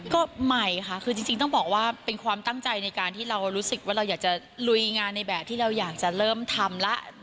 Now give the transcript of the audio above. ก็ใหม่ค่ะคือจริงต้องบอกว่าเป็นความตั้งใจในการที่เรารู้สึกว่าเราอยากจะลุยงานในแบบที่เราอยากจะเริ่มทำแล้ว